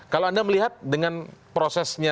kalau anda melihat dengan prosesnya